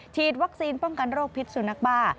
ฉีดวัคซีนป้องกันโรคพิษสุนัขบ้า